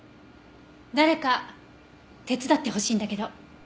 誰か手伝ってほしいんだけど。